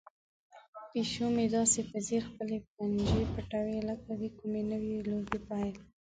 پیشو مې داسې په ځیر خپلې پنجې پټوي لکه د کومې نوې لوبې پیل.